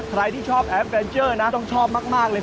ใครที่ชอบแอฟเฟนเจอร์นะต้องชอบมากเลย